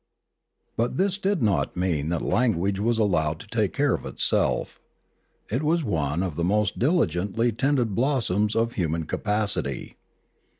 But this did not mean that language was allowed to take care of itself. It was one of the most diligently tended blossoms of human capacity.